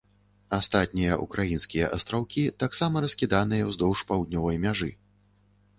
Астатнія ўкраінскія астраўкі таксама раскіданыя ўздоўж паўднёвай мяжы.